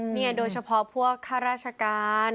เนี่ยโดยเฉพาะพวกค่าราชการ